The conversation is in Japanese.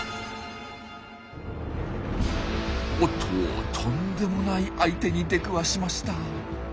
おっととんでもない相手に出くわしました。